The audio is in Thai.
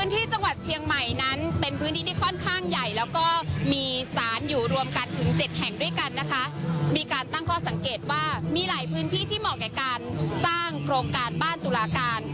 ๗แห่งด้วยกันนะคะมีการตั้งข้อสังเกตว่ามีหลายพื้นที่ที่เหมาะกับการสร้างโครงการบ้านตุลาการ